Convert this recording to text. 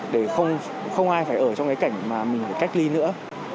để không ai phải ở trong cái cảnh mà mình cách ly nữa